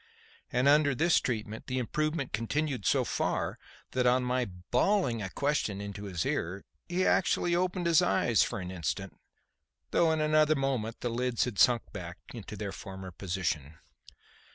And under this treatment, the improvement continued so far that on my bawling a question into his ear he actually opened his eyes for an instant, though in another moment, the lids had sunk back into their former position.